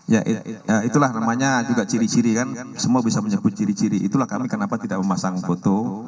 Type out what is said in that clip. ya itulah namanya juga ciri ciri kan semua bisa menyebut ciri ciri itulah kami kenapa tidak memasang foto